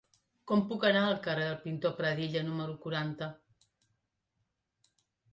Com puc anar al carrer del Pintor Pradilla número quaranta?